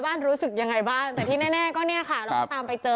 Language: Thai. รู้สึกยังไงบ้างแต่ที่แน่ก็เนี่ยค่ะเราก็ตามไปเจอ